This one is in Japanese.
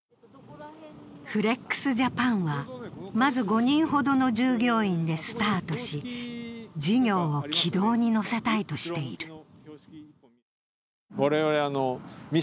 フレックスジャパンはまず５人ほどの従業員でスタートし事業を軌道に乗せたいとしている。